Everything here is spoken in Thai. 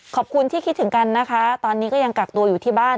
ขอบคุณที่คิดถึงกันนะคะตอนนี้ก็ยังกักตัวอยู่ที่บ้าน